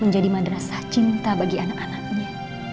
menjadi madrasah cinta bagi anak anaknya